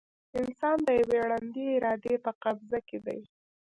انسان د یوې ړندې ارادې په قبضه کې دی.